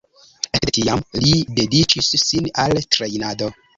Ekde tiam li dediĉis sin al la trejnado.